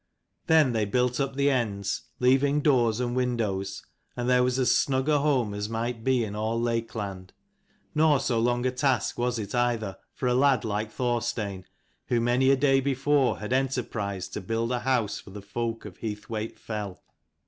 Then they built up the ends, leaving doors and windows, and there was as snug a home as might be in all Lakeland. Nor so long a task was it, either, for a lad like Thorstein, who many a day before had enterprised to build a house for the folk of Heathwaite fell.